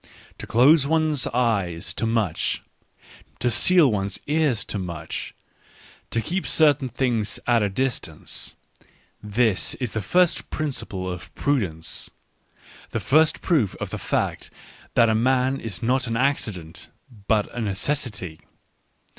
To close one's eyes to much, to seal one's ears to much, to keep certain things at a distance — this is the first principle of prudence, the first proof of the fact that a man is not an accident but a necessity.